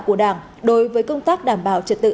của đảng đối với công tác đảm bảo trật tự